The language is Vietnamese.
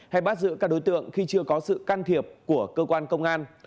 hay bắt giữ các đối tượng khi chưa có sự can thiệp của cơ quan công an